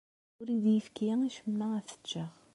Ur iyi-d-yefki acemma ad t-ččeɣ.